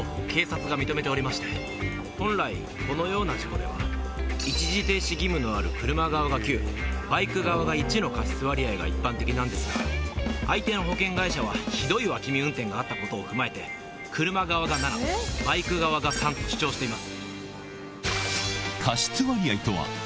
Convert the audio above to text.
本来このような事故では一時停止義務のある車側が９バイク側が１の過失割合が一般的なんですが相手の保険会社はひどい脇見運転があったことを踏まえて車側が７バイク側が３と主張しています。